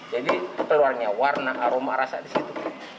jadi keluarnya warna aroma rasa di situ